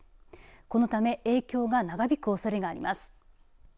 このため影響が長引くおそれがあります。